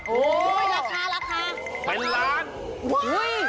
โอ๊ยราคาเป็นล้านโอ๊ย